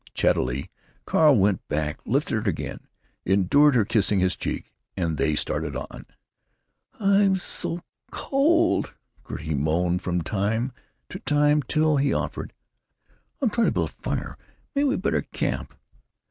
Chattily, Carl went back, lifted her again, endured her kissing his cheek, and they started on. "I'm so cold," Gertie moaned from time to time, till he offered: "I'll try and build a fire. Maybe we better camp.